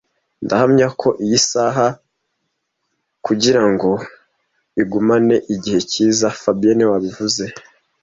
Ndahamya ko iyi saha kugirango igumane igihe cyiza fabien niwe wabivuze